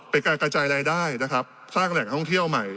เป็นการกระจายรายได้นะครับสร้างแหล่งท่องเที่ยวใหม่